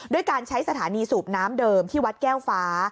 ด้วยการใช้สถานีสูบน้ำเดิมที่วัดแก้วฟ้า